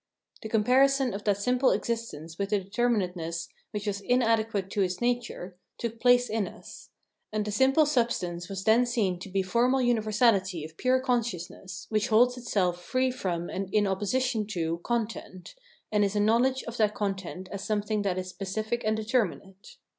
The comparison of that simple existence with the determinateness which was inadequate to its nature, took place in us; and the simple substance was then seen to be formal universality or pure consciousness, which holds itself free from and in opposition to content, and is a knowledge of that con tent as something that is specific and determinate.